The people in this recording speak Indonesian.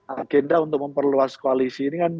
agenda untuk memperluas koalisi ini kan